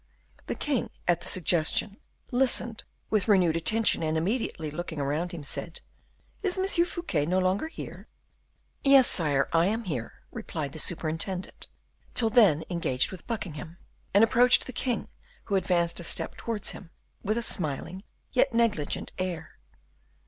The king, at the suggestion, listened with renewed attention and immediately looking around him, said, "Is Monsieur Fouquet no longer here?" "Yes, sire, I am here," replied the superintendent, till then engaged with Buckingham, and approached the king, who advanced a step towards him with a smiling yet negligent air.